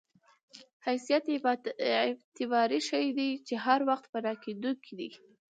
حیثیت اعتباري شی دی چې هر وخت پناه کېدونکی دی.